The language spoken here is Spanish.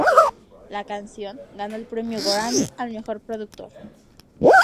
La canción ganó el Premio Grammy al mejor productor.